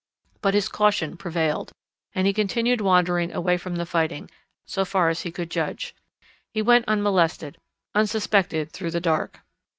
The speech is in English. But his caution prevailed, and he continued wandering away from the fighting so far as he could judge. He went unmolested, unsuspected through the dark.